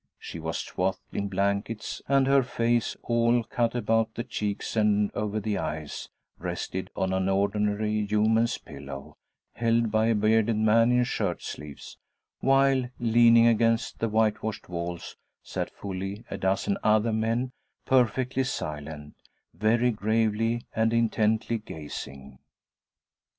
She was swathed in blankets, and her face, all cut about the cheeks and over the eyes, rested on an ordinary human's pillow, held by a bearded man in shirt sleeves; while, leaning against the whitewashed walls, sat fully a dozen other men, perfectly silent, very gravely and intently gazing.